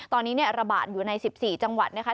ตอนนี้ระบาดอยู่ใน๑๔จังหวัดนะคะ